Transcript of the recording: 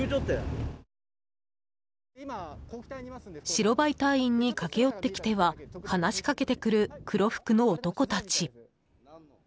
白バイ隊員に駆け寄ってきては話しかけてくる黒服の男たち。